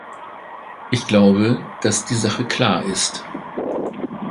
Ich glaube, dass die Sache klar ist.